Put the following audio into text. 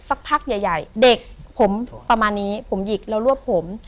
สักพักใหญ่ใหญ่เด็กผมประมาณนี้ผมหยิกแล้วรวบผม